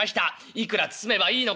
いくら包めばいいのか」。